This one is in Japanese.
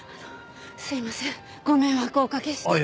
すいませんご迷惑をおかけして。